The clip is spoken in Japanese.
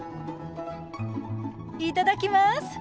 いただきます！